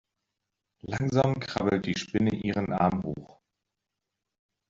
Langsam krabbelt die Spinne ihren Arm hoch.